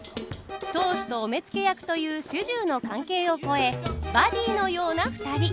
当主とお目付け役という主従の関係を超えバディーのようなふたり。